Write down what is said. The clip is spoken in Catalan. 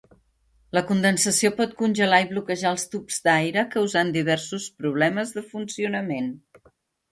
La condensació pot congelar i bloquejar els tubs d'aire causant diversos problemes de funcionament.